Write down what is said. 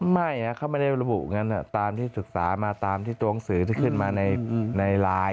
ไม่เขาไม่ได้ระบุงั้นตามที่ศึกษามาตามที่ตัวหนังสือที่ขึ้นมาในไลน์